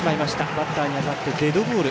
バッターに当たってデッドボール。